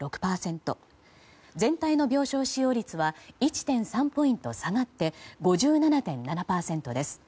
全体の病床使用率は１．３ポイント下がって５７．７％です。